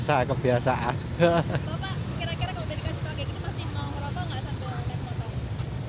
bapak kira kira kalau dikasih tahu kayak gini masih mau merokok nggak sambil naik motor